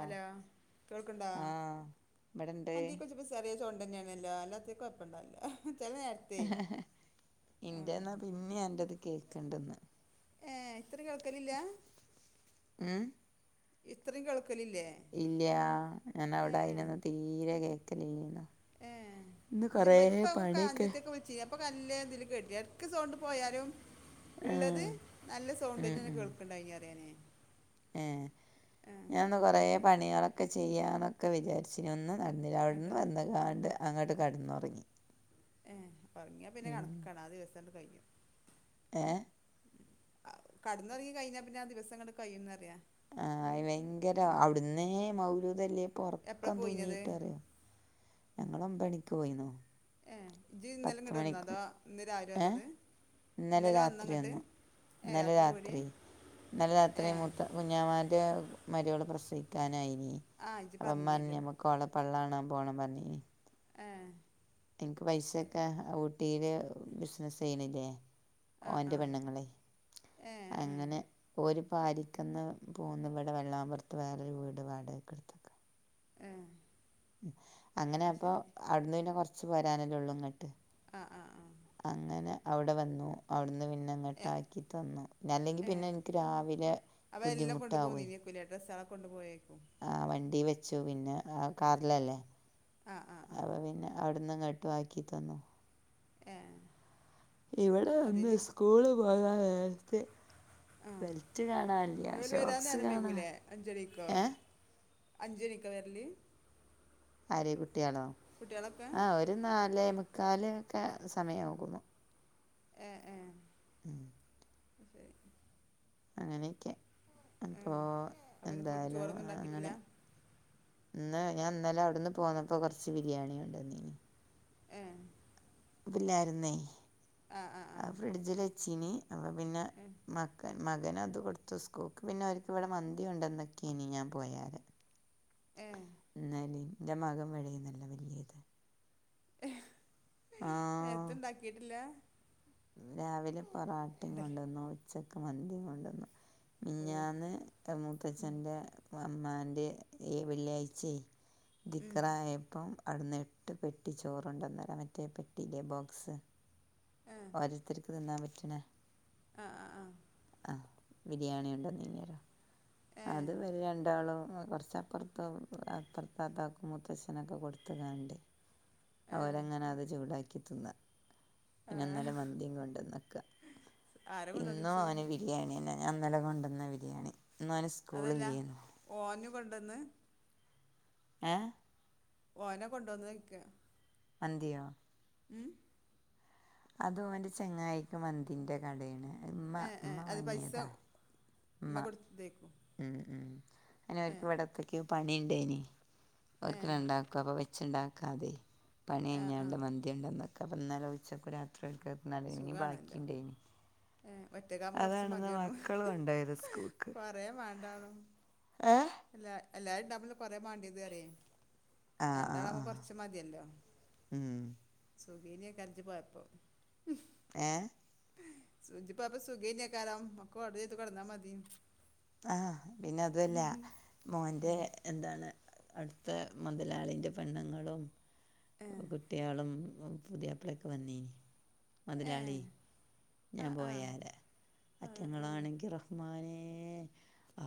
Hello കേൾക്ക്ണ്ടാ ആഹ് ഇവിടെണ്ട് അൻ്റീ കൊച്ച് ബിസ് ചെറിയ സൗണ്ടന്നേണെല്ലോ അല്ലാത്തെ കൊഴപ്പണ്ടാവില്ലാഹ് ചെല നേ ഇന്റെന്നാ പിന്നി അന്റെത് കേക്ക്ണ്ട്ന്ന്. ഏഹ് ഇത്രി കേൾക്കലില്ല ഉം ഇത്രി കേൾക്കലില്ലേ? ഇല്ല്യാ ഏ ഞാനവിടായിന്യന്നു തീരെ കേക്കലില്ലാ ഏ ഇന്ന് കൊറെ പണിയൊക്കെ ചിയാ പ്പൊ കല്ലെ തില് കേട്ടിനി എട്ക്ക് സോണ്ട് പോയാലും ഇള്ളത് ആഹ് നല്ല ഉം സൗണ്ട്ന്നെന്നെ ഉം കേൾക്കണ്ടായ്നിറ്യാ ഞാനെ ഏഹ് ഞാന്ന് കൊറേ പണികളൊക്കെ ചെയ്യാ ന്നൊക്കെ വിചാര് ഇച്ചിന് ഒന്നും നടന്നില്ല അവിടുന്ന് എന്നിട്ടാ വന്നങ്ങാണ്ട് അങ്ങട്ട് കടന്നുറങ്ങി ഏഹ് ഒറങ്ങിയാ പിന്നെ കണക്കാണ് ആഹ് ദിവസങ്ങണ്ട് കഴിയും തേ കടന്നുറങ്ങി കഴിഞ്ഞാപ്പിന്നെ ആ ദിവസങ്ങട്ട് കഴിയുംന്ന് പറയ്യാ ആഹ് ഭയങ്കര അവിടുന്നേ മൗലുതൊലിയപ്പോ എപ്പോഴാ ഒറക്കം പോയിനത് തൂങ്ങിട്ടാളേ ഞങ്ങളും പണിക്ക് പോയിന്നോ ഏഹ് ഇജജ് ഇന്നലെ ഇങ്ങട് വന്നോ അതോ ഇന്ന് രാവിലെ വന്നത് ഏഹ് ഇന്നലെ വന്നോ രാത്രി അങ്ങോട്ട് വന്നു ഏ ഇന്നലെ പോര് രാത്രി ഇന്നലെ ഏ രാത്രി മൂത്ത കുഞ്ഞാമാന്റെ മരുമോൾ പ്രസവിക്കാനായിന് ആ ഇജ്ജ് അപ്പ പറഞ്ഞല്ലേ ഉമ്മറഞ്ഞ് നമ്മുക്കോളെ പള്ളാണാൻ പോണം പറഞ്ഞി ഏഹ് എനിക്ക് പൈസെക്കെ ഊട്ടിയില് ബിസിനസ്സ് ചെയ്യണില്ലേ ആ ആ ഓന്റെ പെണ്ണുങ്ങള് ഏ ഏ അങ്ങനെ ഓര് പാരിക്കിന്ന് പോന്ന് ഇവിടെ വെള്ളാമ്പുറത്ത് വേറാരു വീട് വാടകക്കെടുത്ത്ക്കാ ഏ അങ്ങനെ അത് അപ്പൊ ശരി അവിട്ന്ന് പിന്നെ കൊറച്ച് പോരാനല്ലേ ഒള്ളു ഇങ്ങട്ട് ആ ഹ് ആഹ് ആഹ് അങ്ങനെ അവിടെ വന്നു അവിട്ന്ന് പിന്നെ ഏ ഇങ്ങട്ട് ആക്കി തന്നു അല്ലെങ്കിൽ ഏ പിന്നെ എനിക്ക് രാവിലെ ബുദ്ധിമുട്ടാവുവേ പുതിയ ഡ്രെസ്സള് കൊണ്ടു പോയേക്കും ആഹ് വണ്ടി വെച്ചു പിന്നെ ആ കാറിലല്ലേ ആ ആ ആ അപ്പൊ പിന്നെ അവിടുന്ന്ങ്ങോട്ട് ആക്കി തന്നു ഏഹ് ഇവിടെ എന്ത് സ്കൂളില് പോയാ നേരത്തെ ആ ബെൽറ്റ് കാണാനില്ലാ ഇന്നോല് വരാൻ ഷോക്സ് നേരം വൈകൂലേ കാണാനില്ല ഏഹ് അഞ്ച്ണിക്കാ വരല് ആര് കുട്ടിയാണോ കുട്ട്യൊളൊക്കെ ഒരു നാലേ മുക്കാൽ ഒക്കെ സമയമാകുമ്പോ ഏ ഏ ഉം [unintelligible] അങ്ങനെയൊക്കെ അപ്പോ അപ്പം ഇന്ന് ഫുഡ് എന്തായാലും ചോറൊന്നും ഉണ്ടാക്കിയിട്ടില്ല അങ്ങനെയൊക്കെ ഇന്ന് ഞാൻ ഇന്നലെ അവിടുന്ന് പോന്നപ്പോ കുറച്ച് ബിരിയാണി കൊണ്ടന്നീന് ഏഹ് ഇല്ലാരിന്നേ ആ ആത് ഫ്രിഡ്ജിൽ വച്ചീന് അപ്പ പിന്നെ ഏ മക്കള് മകന് അത് കൊടുത്തു സ്കൂൾക്ക് പിന്നെ അവർക്ക് ഇവിടെ മന്തി കൊണ്ടെന്നക്കേനി ഞാൻ പോയാരെ ഏഹ് ഇന്നാലെ എന്റെ മകൻ പറേന്നല്ലേ വല്ലിയത് ഹും ആ നേരത്തിണ്ടാക്കിട്ടില്ല രാവിലെ പൊറാട്ടേം കൊണ്ടന്നു ഉച്ചക്ക് മന്തിയും കൊണ്ടന്നു ഓ മിഞ്ഞാന്ന് ഇന്റെ മൂത്തച്ഛന്റെ ഈ വെള്ളിയാഴ്ചയായി ഉം. ദിക്കറായപ്പം അവ്ട്ന്ന് എട്ട് പെട്ടി ചോറോണ്ട് അന്നേരം മറ്റേ പെട്ടിയിലെ ബോക്സ് ഏ ഓരോത്തരിക്ക് തിന്നാൻ പറ്റിണ ആ ആ ആഹ ബിരിയാണി ഉണ്ടോന്നീനേരം ഏ അത് ഇവര് രണ്ടാളും കൊറച്ചപ്പറത്തു അപ്പറ വാപ്പാക്കും മുത്തശ്ച്നൊക്കെ കൊടുത്തതാണ്ടേ ഏ ഏ. അവരങ്ങനെ അത് ചൂടാക്കി തിന്ന പിന്നെ ഇന്നലെ മന്തീം കൊണ്ടന്നിക്കാ ആരെ ഇന്നും കൊണ്ടുവന്നിച്ചു ഓനെ ബിരിയാണിന്നെ ഞൻ ഇന്നലെ കൊണ്ടന്ന ബിരിയാണി ഇന്ന് ഓനെ അതല്ല ഓനു കൊണ്ടന്ന് ഏഹ് ഓനെ കൊണ്ടോന്നൊ ചോയിക്ക മന്തിയോ ഉം അത് ഓന്റെ ചങ്ങായിക്ക് മന്തിൻ്റെ കടേണ് ഏഹ്ഏഹ് അത് പൈസ ഉമ്മ കൊടുത്തത്തേക്കും ഉം ഉം അയിനവർക്ക് ഇവിടത്തക്കെ പണിണ്ടേയ്നി. ഏ അവർക്ക് രണ്ടാ ക്കും അപ്പം വെച്ചുണ്ടാക്കാതെ പണി ആ ആ കയിഞ്ഞാണ്ട് മന്തി കൊണ്ടെന്നക്കാ അപ്പന്നലെ ഉച്ചക്കും രാത്രിയൊക്കെ ന്നാണ്ട് പിന്നെ ഞ് സുഖാണല്ലോ ബാക്കിണ്ടായിനി. ഏ ഒറ്റക്കാകുമ്പോൾ കുറച്ച് അതാണ് ന്ന് മക്കള് കൊണ്ടയ് ത് സ്കൂക്. കൊറേ വാണ്ടാണും. എല്ലാ എല്ലാരുംണ്ടാവുമ്പളല്ലേ കൊറേ മാണ്ട്യത് പറിയെ ആ ആ ആ രണ്ടാളാവുമ്പോ കൊറച്ച് മതിയല്ലോ ഉം സുഖേന്യേക്കാരം ജ്ജ് പോയപ്പം ഏഹ്? സു ഇജ്ജ് പോയപ്പോ സുഗേയിനെക്കാരം ഒക്ക ഓർഡർ ചെയ്തു കൊടന്നാ മതി ആഹ് പിന്നതുവല്ല മോന്റെ ഉം എന്താണ് അടുത്ത മൊതലാളിൻ്റെ പെണ്ണുങ്ങളും ഏഹ് കു ട്ട്യാളും പുതിയാപ്പളൊക്കെ വന്നീനി ഏഹ് മുതലാള്യേ. ഞാൻ ആഹ് ആഹ് പോയാരെ ആഹ് ആഹ് അറ്റങ്ങളാണെങ്കി റ ഹ്മാനേ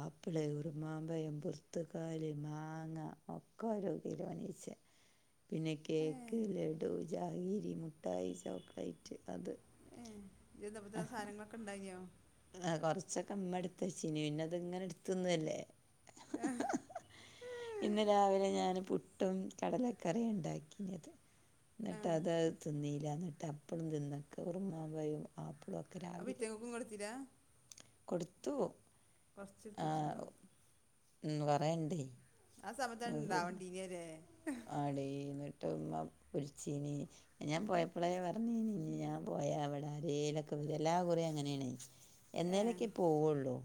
ആപ്പിള് ഉറുമാമ്പയം ബുർത്ക്കാല് മാങ്ങ ഒക്കെ ഓരോ കിലോനീച്ചെ [inaudible] പിന്നെ ഏഹ് കേക്ക്, ലഡു, ജാഗിരി മുഠായി, ചോക്ലേറ്റ്, അത് ഏഹ് ഇജ്ജ് ചെന്നപ്പത്തിന് ആ സാനങ്ങളൊക്കെ ഉണ്ടായിന്യോ? ആഹ് കൊറച്ചൊക്കെ ഇമ്മട്ത് വെച്ചീനി പിന്നെ ഇത്ങ്ങനെ ഇട്ത്ത്ന്നല്ലേ എഹ് ഇന്ന് രാവിലെ ഞാന് പുട്ടും കടലക്കറിയാ ഇണ്ടാക്കീന്യത് ഏഹ് ഇന്നട്ടത് അത് തിന്നീല ഇന്നട്ട് അപ്പളും തിന്നക്ക ഉറുമാമ്പയും ആപ്പിളും ഒക്കെ രാ അപ്പൊ ഇറ്റങ്ങക്കും കൊടുത്തില? കൊടുത്തു. കൊർച്ചിട്ത്തച്ചിണ്ടാവും. മ് കൊറെ ഇണ്ടേ ആ സമയത്താണ് ഇണ്ടാവണ്ടീന്യെലെ ആടീ ഇന്നട്ട് മ്മ ബുൾച്ചീനി ഞാൻ പോയപ്പളേ പറഞ്ഞീനി ഞാൻ പോയാ വടെ ആരേലൊക്കെ വരും എല്ലാ കുറിം അങ്ങനേണേ ഏഹ് എന്നേലൊക്കെ പോവൊള്ളൂ.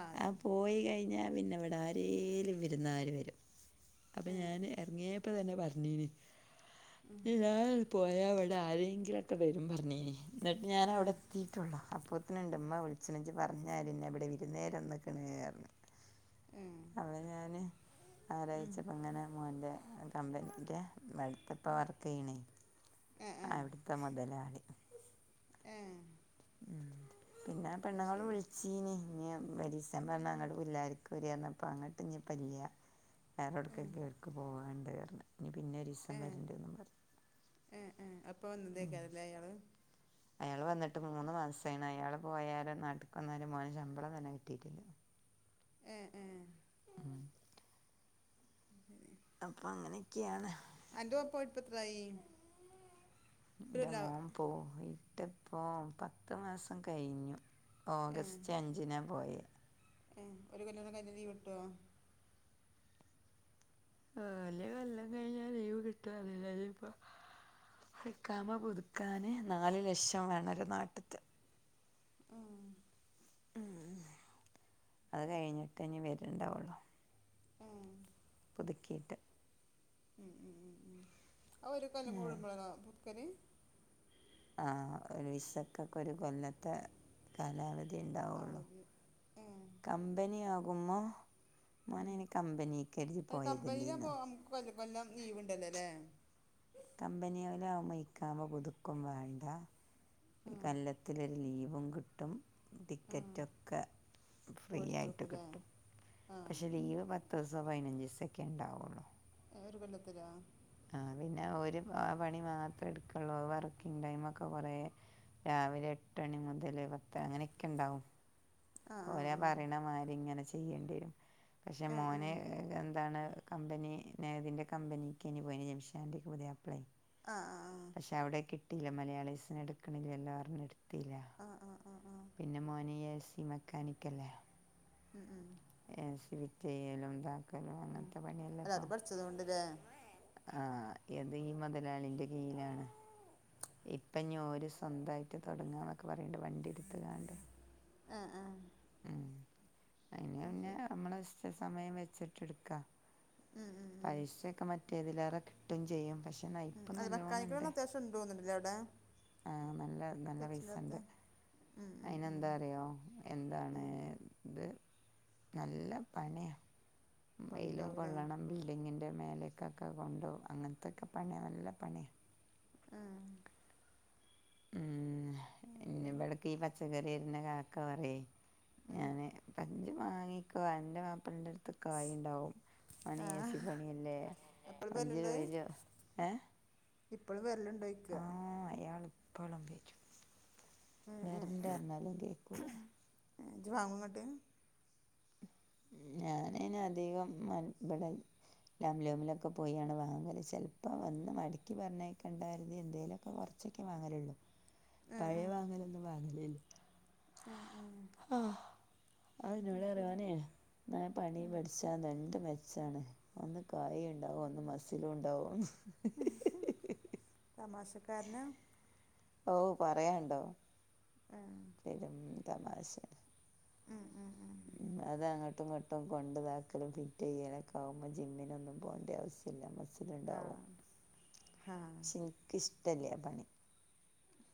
ആഹ് ആ അതന്നെ പോയി കഴിഞ്ഞാ പിന്നെ വെ ടാരേലും വിരുന്നാര് വരും അപ്പൊ ഏഹ് ഞാൻ എറങ്ങ്യേപ്പ തന്നെ പറഞ്ഞീനി ഉം ഇനി ഞാന് പോയാൽവിടെ ആരെങ്കിലൊക്കെ വരും പറഞീനി എന്നിട്ട് ഞനവിടെ ഏഹ് എത്തിട്ടുള്ളോ അപ്പോത്തിനുണ്ട്മ്മ വിളിച്ചണെ ജ്ജ് പറഞ്ഞോലന്നെ ഇവിടെ വിരുന്നേരന്നക്കിണുപറഞ്ഞു ഏഹ് അവ ഞാന് ആരാ ഉം മോൻ്റെ കമ്പനിന്റെ അടുത്തപ്പ വർക്ക് കീണേ ഏഹ് ഏഹ് അവിടുത്തെ മുതലാളി ഏഹ് ഉം പിന്നെആ അത് പെണ്ണുങ്ങൾ ശരി വിളിച്ച വിളിച്ചിനി ഇഞ് ഒരീസ പറഞ്ഞ അങ്ങടെ പുല്ലാരക്ക് വരപറഞ്ഞപ്പോ അങ്ങോട്ട് ഞ്പ്പല്യ ഏഹ് വേറെടക്കൊക്കെ അവർക്ക് പോകാനുണ്ടരഞു ഇനി പിന്നെരിക്ക ഏഹ് ഏഹ് ഏഹ് അപ്പൊ വന്നതേക്കാരല്ലേ അയാള് അയാള് വന്നിട്ട് മൂന്ന് മാസായിണ് അയാള് പോയാരെ നാട്ടിക്ക് വന്നാരെ മോൻ ശമ്പളം തന്നെ കിട്ടിയിട്ടില്ല ഏഹ് ഏഹ് ഉം ആഹ് അപ്പം അങ്ങനെയൊക്കെയാണ് അന്റെ മോൻ പോയിട്ട് പ്പോത്രായായി എന്റെ മോൻ പോയ്ട്ട് പ്പോ പത്ത് മാസം കഴിഞ്ഞു ഓഗസ്റ്റ് അഞ്ചിനാ പോയേ ആഹ് ഒരു കൊല്ലൊക്കെ കഴിഞ്ഞാലീവ് ട്ടോ ആഹ് ഒര് കൊല്ലം കഴിഞ്ഞാ ലീവ് കിട്ടോ ന്നറിയില്ല ഇപ്പോ ഇക്കാമ പുതുക്കാന് നാലു ലക്ഷം വേണോലോ നാട്ട്ത്തെ ഉം ഉം അത് കഴിഞ്ഞിട്ടേ ഞ്ഞി വരുണ് ണ്ടാവൊള്ളൂ ആഹ് പുതുക്കിയിട്ട് ആഹ് ഒരു കൊല്ലം കൂടുമ്പോളാണോ പുത്ക്കല് ആഹ് ഒരു വിസക്കൊക്കെ ഒരു കൊല്ല ത്തെ. കാലാവധിണ്ടാവുള്ളൂ അവധി ഏഹ് കമ്പനിയാകുമ്പോ മോനയ്ന് കമ്പനീക്കരുതി പോയതല്ലേന്നിയോ കൊല്ല കൊല്ലം ലീവ്ണ്ടല്ലോ ല്ലേ കമ്പനികലിലാവുമ്പോ ഇക്കാമ പുതുക്കും വേണ്ട ആഹ് കൊല്ല ത്തിൽ. ലീവും കിട്ടും ആഹ് ടിക്കറ്റൊക്കെ ഫ്രീ ആയിട്ട് ഓടിത്തൊടുക്കൂല്ലേ കിട്ടും പക്ഷെ ആഹ് ലീവ് പത്ത് പത്തീസോ പതിനഞ്ചുദിവസേണ്ടാവൊള്ളൂ ഒരു കൊല്ലത്തിലോ ആഹ് പിന്നെ ഒരു പണി മാത്രേ എടുക്കൊള്ളൂ വർക്കിങ് ടൈമൊക്കെ കുറേ രാവിലെ എട്ട് മണി മുതൽ പത്ത് അങ്ങനെയൊക്കെണ്ടാവും ആഹ് ഓരാ ആഹ് ആഹ് പറയണമാരി ഇങ്ങനെ ചെയ്യേണ്ടേരും പക്ഷെ ഏഹ് മോന് ഏഹ് എന്താണ് കമ്പനി നേവിന്റ കമ്പനിക്കെനി പോയിനിയത് ജംഷന്റെ പുതിയാപ്പിള ആഹ് ആഹ് ആഹ് പക്ഷേ അവിടെ കിട്ടിയില്ല മലയാളീസനെ എടുക്കണില്ല ല്ലോ പറഞ്ഞ് അവ്ടെ ഇടുത്തില ആഹ് ആഹ് ആഹ് ആഹ് ആഹ് പിന്നെ മോന് എ സി മെക്കാനിക്കല്ലേ ഉം ഉം ഏസി ഫിറ്റെയ്യലും താക്കലും അങ്ങനത്തെ പണില്ലേ പ്പൊ പട്ച്ചതോണ്ട് ല്ലേ ആഹ് ഇത് ത് ഈ മൊതലാളിന്റെ കീയിലാണ് ഇപ്പ ഞോര് സ്വന്തമായിട്ട് തുടങ്ങാന്നൊക്കെ പറയണ്ട് വണ്ടിട്ത്ത്കാണ്ട് ആഹ് ആഹ് ഉം അഹ് ശരി ഒര് നിഷ്ചിത സമയം വെച്ചിട്ട്ട്ക്കാ ഉം ഉം ഉം പൈസൊക്കെ മറ്റേതിലേറെ കിട്ടും ചെയ്യും പക്ഷെ നൈപ്പും നല്ലോണംണ്ട്. [unintelligible] അവ്ടെ ആഹ് നല്ല നല്ല പൈസണ്ട് ഉം ഉം അയിന് ഉം ന്താ അറിയോ എന്താണ് ഉം ഇത് നല്ല പണിയ വെയിലും ഇപ്പണ്ടാവൂലേ കൊള്ളണം ബിൽഡിങ്ങിൻ്റെ മേലക്കൊക്കെ കൊണ്ടോവും അങ്ങനത്തൊക്കെ പണിയാണ് നല്ല പണിയാണ് ആഹ് അതുപോലെ ഇന്ന്വ്ട്ക്ക്ഈ പച്ചക്കറിവെര്ണകാ [unintelligible] പറയോയ് ഉം ഇജ് മാങ്ങിക്കൊ അന്റെ മാപ്ലന്റെ കായിണ്ടാവും ഓന് എ ആഹ് സി പണിയല്ലേ എപ്പളും [unintelligible] ഏഹ് ഇപളും വെര്ല്ണ്ടോയ്ക ആഹ് അയാള് ഇപ്പളും വെരും ഉം വെര്ണ്ടർഞാലും കേക്കൂല ഏ ജ് വാങ്ങുംണട്ട് ഞാനൈന് അധികം മൻ വടെ ലാമാ ലൂമിലൊക്കെ പോയിയാണ് വാങ്ങല് ചെൽപ്പം വന്ന് മടക്കി പറഞ്ഞേക്കണ്ടാകെര്തി എന്തേലൊക്കെ കൊർച് ച്ചൊക്കെ വാങ്ങല്ള്ളൂ പയേ വാങ്ങലൊന്നും വാങ്ങല് ല്ല ഉം ഉം ഉം ആഹ് അത് ഇന്നൊടറിം ഓനെ ഇങ്ങനെ പണി ഉം പട്ചാ ച്ചാ രണ്ട് മെച്ചാണ് ഒന്ന് കായിണ്ടാവും ഒന്ന് മസിലുണ്ടാവുംന്ന് തമാശകാരനാ ഓ പറയാണ്ടോ ആഹ് പെരും തമാശ ഉം ഉം ഉം മ്മ് അത് അങ്ങട്ടും ഇങ്ങട്ടും കൊണ്ട്താക്കലും ഫിറ്റെയ്യലൊക്കാവുമ്പം ജിമ്മിനൊന്നും പോണ്ട്യാവുസ് ല്ല മസ്സില്ണ്ടാവും ആഹ് ഹാ പക്ഷെ ഇൻക്കിഷ്ടല്ലാ പണി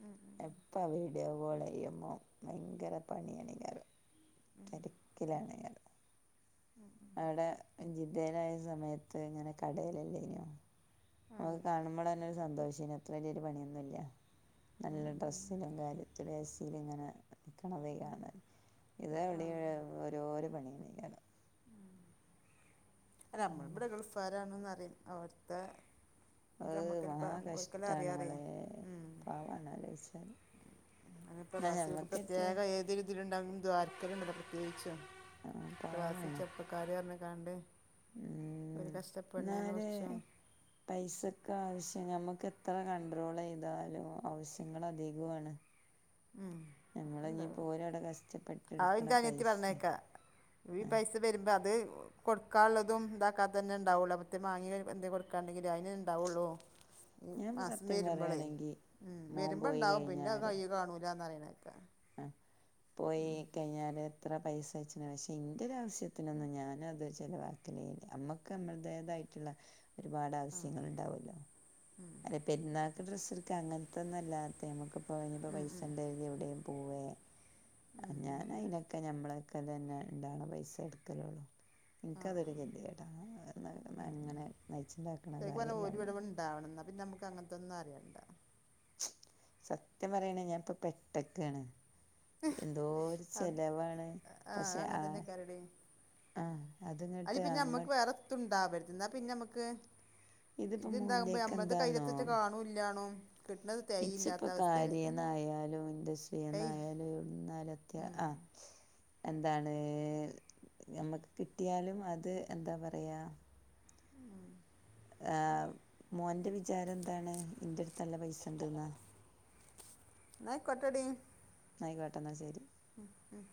മ്മ് മ്മ് എപ്പ വീഡിയോകോളെയ്യുമ്പം ഭയങ്കര പണിയാണേയ്കാരം ഉം തെരക്ക്ലാണേയ്കാരം [inaudible] ആടെ ജിദ്ദേലായ സമയത്ത് ഇങ്ങനെ കടേലെല്ലേനോ അമക്ക് ആഹ് കാണുമ്പളെന്നെ ഒരു സന്തോഷേനി അത്ര വെല്ല്യൊര് പണിയൊന്നുല്ല ഉം നല്ല ഉം ഉം ഡ്രസ്സിലും കാര്യതിലും എ സി ല് ഇങ്ങനെ ഉം ആഹ് [unintelligible] അല്ല അമ്മള് ഇബടെ ഗൾഫാരാണ്ന്നറിം അവട്ത്തെ അത് മഹാ ഇതമ്മക്കല്ലെപ്പം ഓര്കല്ലെ അറിയാറിം മ്മ് പാവ ആണാലോയ്ചാല് അതെനെ പ്രവാസികൾക്ക് പ്രത്യേക ഏതൊര്തിലുണ്ടെകിലും ദ്വാര്കല്ണ്ടല്ലോ പ്രത്യേകിച്ചും ആ പ്രവാസി ചെർപ്പക്കാര് പർഞ്കാണ്ട് മ്മ് ന്നാല് പൈസക്കാവശ്യം ഞമക്കെത്ര കണ്ട്രോളെയ്താലും ആവശ്യങ്ങളധികുവാണ് [inaudible] ഒക്കെ ഞമ്മള്ഞ്പ്പോ ഉണ്ടാവും ഓരവടെ കഷ്ടപ്പെട്ട് ആ ഇട്ക്ക്ണ എൻ്റെ പൈസെ ആ വെരുമ്പം അത്‌ കൊടുക്കാള്ളതും ഇതാക്കാതെന്നെ ഉണ്ടാവുള്ളൂ അപതേം മാങ്ങിയെന്തേ കൊട്കാണ്ടങ്കില് അയിനെന്നെണ്ടാവോള്ളൂ ഈ ഞാനിപ്പോ മാസം സത്യം വെരുമ്പളേ പറയാണെങ്കി മോൻ വെരുമ്പ പോയി ണ്ടാവും പിന്നെ അത് കയ്യ് കാണൂല് ഇല്ലാന്നറിണേക്കാ ആഹ് പോയി കഴിഞ്ഞാല് എത്ര പൈസ അയച്ച്ണ് പക്ഷെ ഇൻ്റൊരാവശ്യത്തിനൊന്നും ഞാനത് ചെലവാക്കലേല്ല അമ്മക്ക് അമ്മൾടേതായിട്ട് ആയിട്ട്ള്ള ഒരുപാട് ആവശ്യങ്ങൾ ഇണ്ടാവല്ലോ മ്മ് എല്ല പെരുന്നാക്ക് ഡ്രസ്ട്ക്ക അങ്ങൻത്തൊന്നു അല്ലാത്തെ അമുക്ക്പ്പോഴിഞ്ഞപ്പൊ പ്പൈസണ്ടെര്തി എവിടേം പോവേ ഞാൻ അയിനൊക്കെ ഞമ്മളയ്ക്കെലെന്നെ ഇണ്ടവ്ണ പൈസെ ഇട്ക്കലൊള്ളൂ ആ ഇൻക്കതൊരു കെതിയേടാ അന്നാന്ന്ങ്ങനെ നയിച്ച്ണ്ടാക്ക്ണ കായിയെല്ലേ അമ്മള് ണ്ടാവണം ന്നാ പിന്നെ അമക്കങ്ങൻത്തെന്നു അറിയണ്ട സത്യം പറിയാണെ ഞാൻപ്പൊ പെട്ടക്കാണ് എന്തോര് അത് ചെലവാണ് ആ പക്ഷേ അങ്ങനെ തന്നെ ആഹ് കരടി ആ അത്ങ്ങട്ട് അങ്ങട് ത്തുണ്ടാവര്ത് ന്നാ പിന്നമ്മക്ക് ഇതിപ്പോ ഇത്ണ്ടാവുമ്പ മോന്റെക്കെ നമ്മൾത് എന്താന്നോ കയിലെറ്റം കാണൂല് ഇല്ലാണും ഏയ് ഉം ! ! ! ! ! ! ! ! ! ! എന്താണ് ഞമ്മക്ക് കിട്ടിയാലും അത് എന്താ പറയാ ഉം ആഹ് മോന്റ വിചാരം എന്താണ് ഇന്റടുത്ത് നല്ല പൈസണ്ട്ന്നോ ന്നായിക്കോട്ടടി ആയിക്കോട്ടന്നാ ശരി ഉം